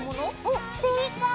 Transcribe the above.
おっ正解！